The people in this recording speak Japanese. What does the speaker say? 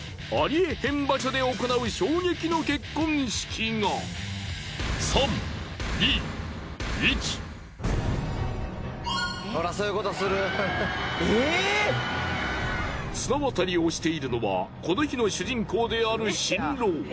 えへん場所で行う綱渡りをしているのはこの日の主人公である新郎。